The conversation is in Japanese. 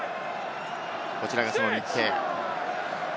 こちらがその日程。